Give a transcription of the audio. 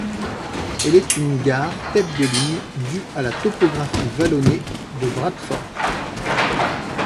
Elle est une gare tête de ligne due à la topographie vallonnée de Bradford.